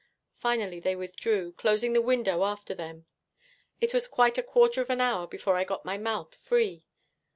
Finally they withdrew, closing the window after them. It was quite a quarter of an hour before I got my mouth free.